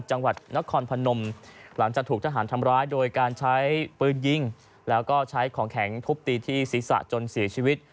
จังหวัดนครพนมหลังจากถูกทหารทำร้ายโดยการใช้ปืนยิงแล้วก็ใช้ของแข็งทุบตีที่ศีรษะจนเสียชีวิต